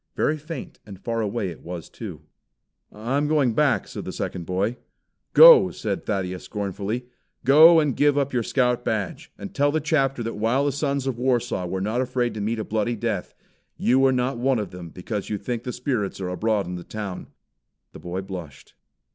Very faint and far away it was too. "I'm going back," said the second boy. "Go!" said Thaddeus scornfully, "Go and give up your Scout badge, and tell the chapter that while the sons of Warsaw were not afraid to meet a bloody death, you are not one of them because you think the spirits are abroad in the town." The boy blushed.